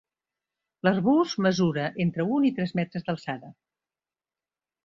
L'arbust mesura entre un i tres metres d'alçada.